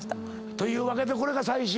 というわけでこれが最終？